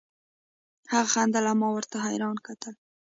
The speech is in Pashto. هغه خندل او ما ورته حيران کتل.